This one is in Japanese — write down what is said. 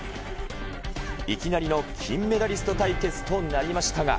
いきなりの金メダリスト対決となりましたが。